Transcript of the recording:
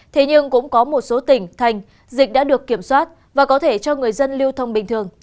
thế nhưng cũng có một số tỉnh thành dịch đã được kiểm soát và có thể cho người dân lưu thông bình thường